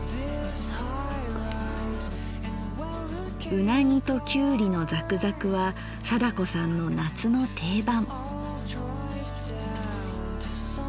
「うなぎときゅうりのザクザク」は貞子さんの夏の定番。